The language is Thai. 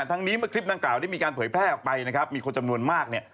ทั้งนี้เมื่อคลิปดังกล่าวได้มีการเผยแพร่ออกไปนะครับมีคนจำนวนมากเนี่ย